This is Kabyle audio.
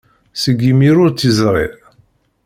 Seg yimir ur tt-yeẓri.